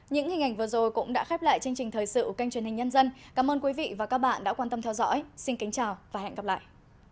những hình ảnh vừa rồi cũng đã khép lại chương trình thời sự kênh truyền hình nhân dân cảm ơn quý vị và các bạn đã quan tâm theo dõi xin kính chào và hẹn gặp lại